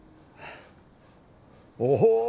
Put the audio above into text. おお！